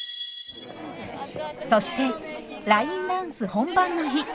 そしてラインダンス本番の日。